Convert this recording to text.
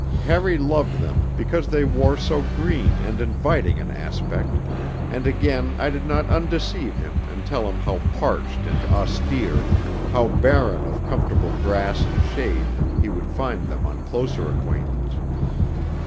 Harry loved them because they wore so green and inviting an aspect, and again I did not undeceive him and tell him how parched and austere, how barren of comfortable grass and shade he would find them on closer acquaintance.